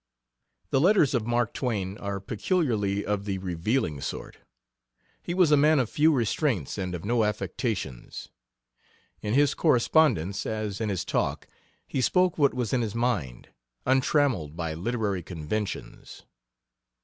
The letters of Mark Twain are peculiarly of the revealing sort. He was a man of few restraints and of no affectations. In his correspondence, as in his talk, he spoke what was in his mind, untrammeled by literary conventions.